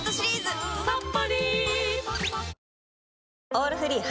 「オールフリー」